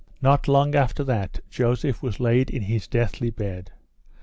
Not long after that Joseph was laid in his deadly bed.